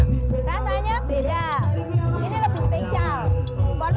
rasanya beda ini lebih spesial